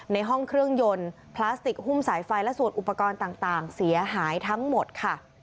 ในห้องเครื่องยนต์พลาสติกหุ้มสายไฟและส่วนอุปกรณ์ต่างเสียหายทั้งหมดค่ะ